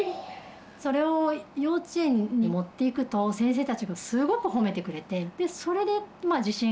それを幼稚園に持っていくと、先生たちがすごく褒めてくれて。